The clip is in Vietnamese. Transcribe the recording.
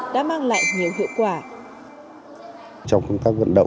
đã mang lại nhiều hiệu quả